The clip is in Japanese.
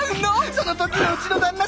その時のウチの旦那